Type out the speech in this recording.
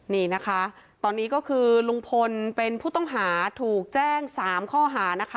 นี่นะคะตอนนี้ก็คือลุงพลเป็นผู้ต้องหาถูกแจ้ง๓ข้อหานะคะ